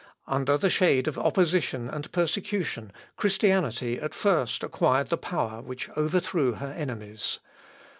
Under the shade of opposition and persecution, Christianity at first acquired the power which overthrew her enemies.